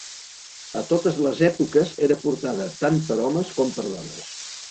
A totes les èpoques era portada tant per homes com per dones.